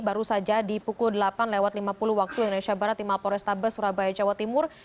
baru saja di pukul delapan lewat lima puluh waktu indonesia barat di mapo restabes surabaya jawa timur